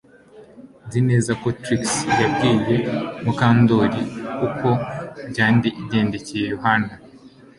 Nzi neza ko Trix yabwiye Mukandoli uko byagendekeye Yohana